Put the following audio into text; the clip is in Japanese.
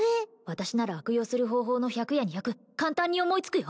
私なら悪用する方法の１００や２００簡単に思いつくよ